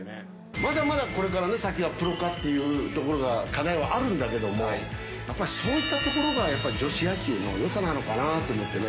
まだまだこれからね、先はプロ化というところが、課題はあるんだけども、やっぱりそういったところが女子野球のよさなのかなと思ってね。